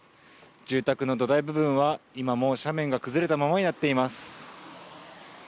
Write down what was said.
住宅の土台部分は今も斜面が崩れたままになっています。